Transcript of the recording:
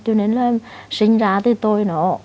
cho nên là sinh ra thì tôi nó